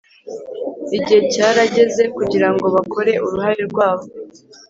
igihe cyarageze kugira ngo bakore uruhare rwabo